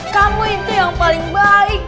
kamu itu yang paling baik